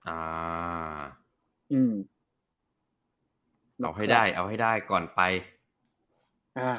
อ่าอืมเอาให้ได้เอาให้ได้ก่อนไปอ่า